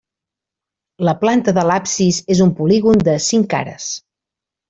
La planta de l'absis és un polígon de cinc cares.